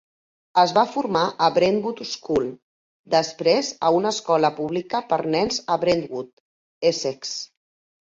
Es va formar a Brentwood School, després a una escola pública per nens a Brentwood, Essex.